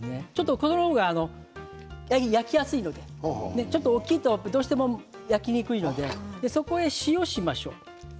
その方が焼きやすいので大きいとどうしても焼きにくいのでそこへ塩をしましょう。